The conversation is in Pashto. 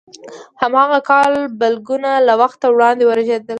هماغه کال بلګونه له وخته وړاندې ورژېدل.